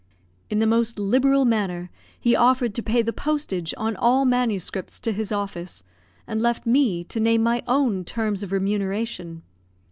In the most liberal manner, he offered to pay the postage on all manuscripts to his office, and left me to name my own terms of remuneration.